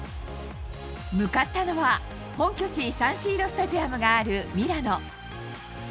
向かったのは、本拠地サンシーロスタジアムがあるミラノ。